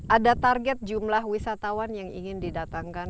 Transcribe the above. ada target jumlah wisatawan yang ingin didatangkan